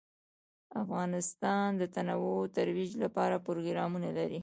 افغانستان د تنوع د ترویج لپاره پروګرامونه لري.